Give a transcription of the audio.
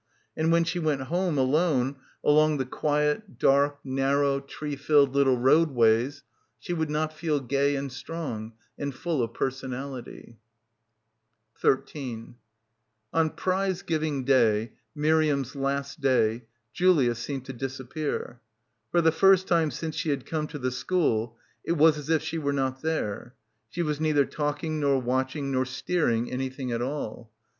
And when she went home alone along the quiet, dark, narrow, tree filled little roadways she would not feel gay and strong and full of personality. 288 BACKWATER 13 On prize giving day, Miriam's last day, Julia seemed to disappear. For the first time since she had come to the school it was as if she were not there. She was neither talking nor watching nor steering anything at all.